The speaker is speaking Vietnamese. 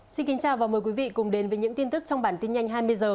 xin kính chào và mời quý vị cùng đến với những tin tức trong bản tin nhanh hai mươi h